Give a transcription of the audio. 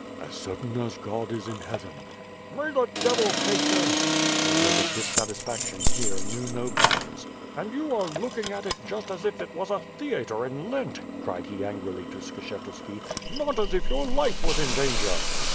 "As certain as God is in heaven.* ' "May the devil take them. ..." Zagloba's dissatisfaction here, knew no bounds. "And you are looking at it just as if it was a theatre in Lent," cried he angrily to Skshetuski, "not as if your life was in danger."